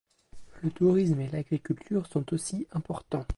Le tourisme et l'agriculture sont aussi importants.